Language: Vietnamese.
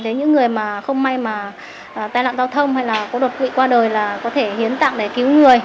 nếu những người mà không may mà tai nạn giao thông hay là có đột quỵ qua đời là có thể hiến tạng để cứu người